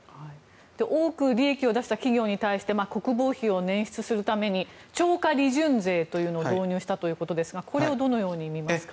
多く利益を出した企業に対して国防費を捻出するために超過利潤税というのを導入したということですがこれをどのように見ますか？